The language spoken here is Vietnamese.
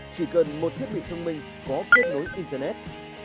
chỉ cần một thiết bị thông minh có kết nối internet